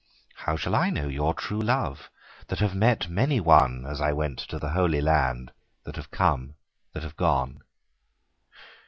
How shall I know your true love, That have met many one, As I went to the holy land, That have come, that have gone